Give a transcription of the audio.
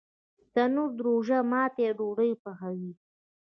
تنور د روژه ماتي ډوډۍ پخوي